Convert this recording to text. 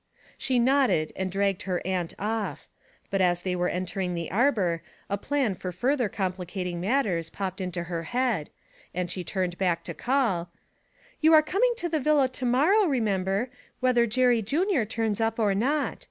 She nodded and dragged her aunt off; but as they were entering the arbour a plan for further complicating matters popped into her head, and she turned back to call 'You are coming to the villa to morrow, remember, whether Jerry Junior turns up or not.